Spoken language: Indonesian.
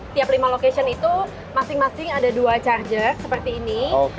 tiap lima location itu masing masing ada dua charge seperti ini